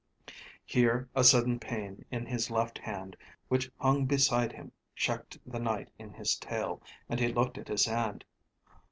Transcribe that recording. Here a sudden pain in his left hand, which hung beside him, checked the Knight in his tale, and he looked at his hand.